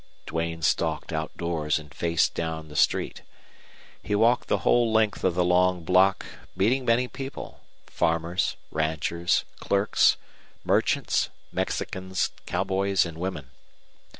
Duane stalked outdoors and faced down the street. He walked the whole length of the long block, meeting many people farmers, ranchers, clerks, merchants, Mexicans, cowboys, and women.